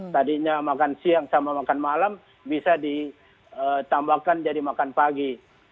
tadinya makan siang sama makan malam bisa ditambahkan jadi makan pagi